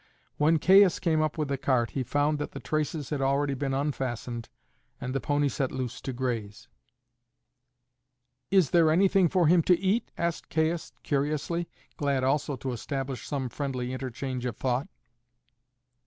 When Caius came up with the cart he found that the traces had already been unfastened and the pony set loose to graze. "Is there anything for him to eat?" asked Caius curiously, glad also to establish some friendly interchange of thought.